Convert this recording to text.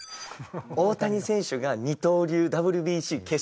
大谷選手が二刀流ＷＢＣ決勝。